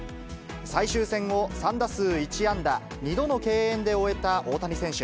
最終戦を３打数１安打、２度の敬遠で終えた大谷選手。